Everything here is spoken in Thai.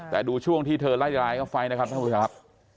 แต่ดูช่วงที่เธอไล่ร้ายเข้าไปนะครับท่านผู้ชมครับ